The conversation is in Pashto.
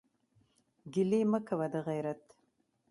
ګلې مه کوه دغېرت.